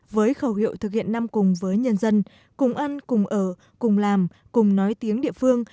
với khẩu hiệu thực hiện năm cùng với nhân dân cùng ăn cùng ở cùng làm cùng nói tiếng địa phương